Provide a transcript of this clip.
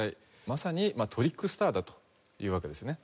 まさにトリックスターだというわけですね。